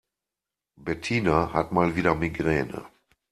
Bettina hat mal wieder Migräne.